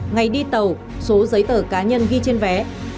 ngày đi tàu số giấy tờ cá nhân ghi trên vé